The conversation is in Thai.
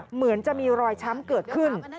เหมือนจะมีรอยช้ำเกิดขึ้น